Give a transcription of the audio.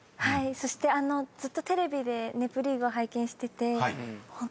そしてずっとテレビで『ネプリーグ』を拝見してて。